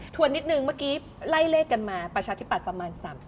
วนนิดนึงเมื่อกี้ไล่เลขกันมาประชาธิปัตย์ประมาณ๓๐